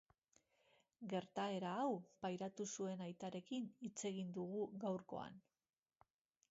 Gertaera hau pairatu zuen aitarekin hitz egin dugu gaurkoan.